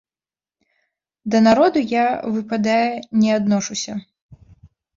Да народу я, выпадае, не адношуся.